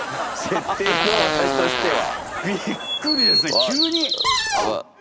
設定の私としては。